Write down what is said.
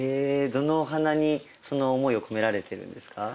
どのお花にその思いを込められてるんですか？